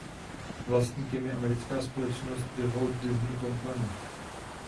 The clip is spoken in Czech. Vlastníkem je americká společnost The Walt Disney Company.